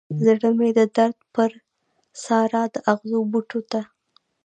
زړه مې د درد پر سارا د اغزو بوټو ته